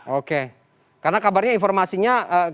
oke karena kabarnya informasinya